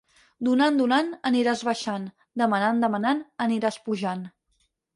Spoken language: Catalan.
Donant, donant, aniràs baixant; demanant, demanant, aniràs pujant.